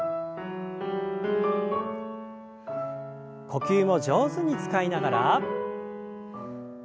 呼吸を上手に使いながら。